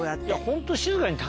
ホント。